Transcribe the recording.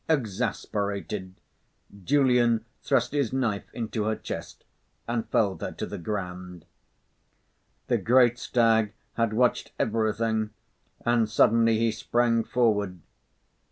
Exasperated, Julian thrust his knife into her chest, and felled her to the ground. The great stag had watched everything and suddenly he sprang forward.